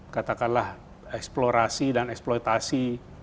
katakanlah eksplorasi dan eksploitasi